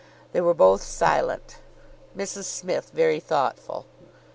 They were both silent: Mrs Smith very thoughtful.